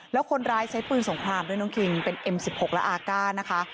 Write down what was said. แล้วคนร้ายใช้ปืนสงครามด้วยน้องคิงเป็นเอ็มสิบหกและอาก้านะคะ